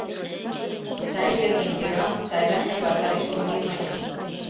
— Сай вер гын, йӧра, сайлан мый ваштареш ом лий, — маньым.